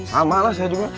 sama lah saya juga